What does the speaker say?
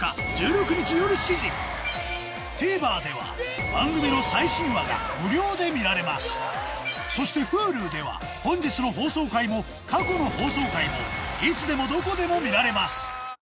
ＴＶｅｒでは番組の最新話が無料で見られますそしてＨｕｌｕでは本日の放送回も過去の放送回もいつでもどこでも見られます